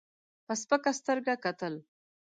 په سپکه سترګه کتل.